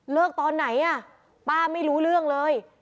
ตอนไหนอ่ะป้าไม่รู้เรื่องเลย